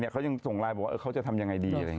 เขายังส่งไลน์บอกว่าเขาจะทำยังไงดี